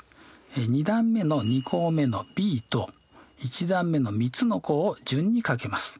２段目の２項目のｂと１段目の３つの項を順に掛けます。